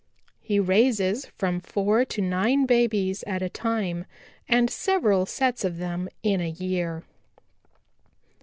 He raises from four to nine babies at a time and several sets of them in a year.